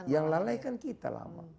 yang lalaikan kita lama